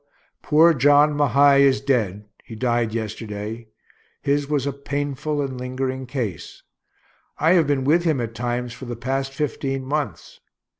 Well, poor John Mahay is dead. He died yesterday. His was a painful and lingering case. I have been with him at times for the past fifteen months.